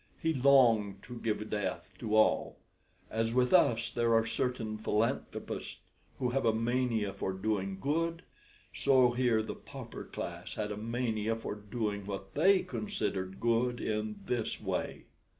He longed to give death to all. As with us there are certain philanthropists who have a mania for doing good, so here the pauper class had a mania for doing what they considered good in this way.